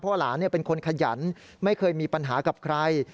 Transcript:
เพราะหลานเป็นคนขยันไม่เคยมีปัญหากับใคร